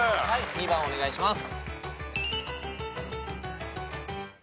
２番お願いします。